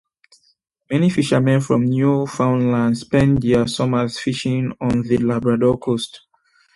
Many fisherman from Newfoundland spent their summers fishing on the Labrador coast.